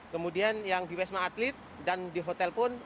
kemudian yang di wisma atlet dan di hotel pun